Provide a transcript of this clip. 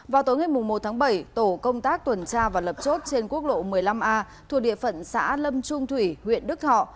vào tối ngày một tháng bảy tổ công tác tuần tra và lập chốt trên quốc lộ một mươi năm a thuộc địa phận xã lâm trung thủy huyện đức thọ